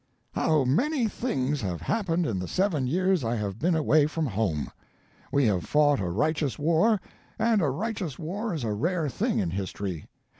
] "How many things have happened in the seven years I have been away from home! We have fought a righteous war, and a righteous war is a rare thing in history.